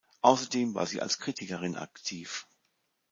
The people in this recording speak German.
Außerdem war sie als Kritikerin aktiv.